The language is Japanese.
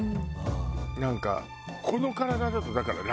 なんかこの体だとだから楽よそれ。